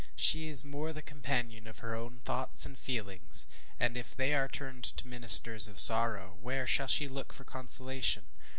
She is more the companion of her own thoughts and feelings; and if they are turned to ministers of sorrow, where shall she look for consolation?